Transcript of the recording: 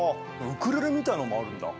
ウクレレみたいのもあるんだ？